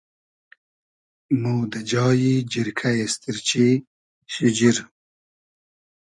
مۉ دۂ جایی جیرکۂ اېستیرچی, شیجیر